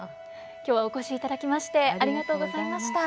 今日はお越しいただきましてありがとうございました。